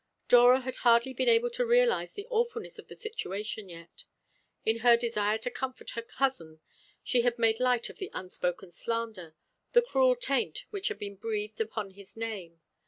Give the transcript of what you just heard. Dora had hardly been able to realise the awfulness of the situation yet. In her desire to comfort her cousin she had made light of the unspoken slander, the cruel taint which had been breathed upon his name.